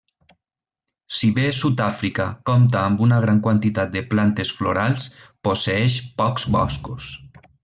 Si bé Sud-àfrica compta amb una gran quantitat de plantes florals, posseeix pocs boscos.